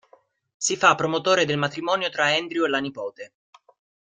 Si fa promotore del matrimonio tra Andrew e la nipote.